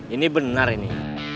ini benar ini